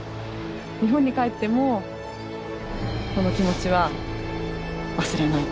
日本に帰ってもこの気持ちは忘れない。